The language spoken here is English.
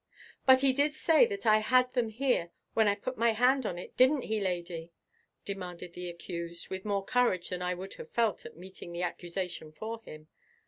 "But he did say that I had them here when I put my hand on it, didn't he, Lady?" demanded the accused, with more courage than I would have felt at meeting the accusation for him.